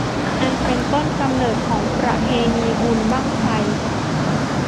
อันเป็นต้นกำเนิดของประเพณีบุญบั้งไฟ